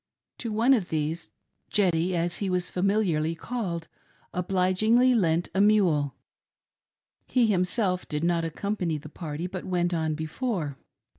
To one of these, "Jdddy" as he was familiarly called, obligingly lent a mule; he himself did not accompany the party but went on before.